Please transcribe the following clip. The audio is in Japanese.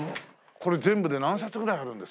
これ全部で何冊ぐらいあるんですか？